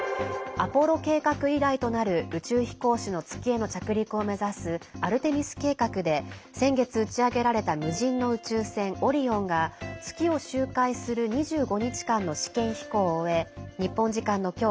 アポロ計画以来となる宇宙飛行士の月への着陸を目指すアルテミス計画で先月打ち上げられた無人の宇宙船「オリオン」が月を周回する２５日間の試験飛行を終え日本時間の今日